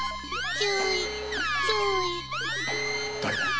誰だ？